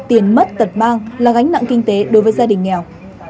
quyền mất tật bang là gánh nặng kinh tế đối với gia đình nghèo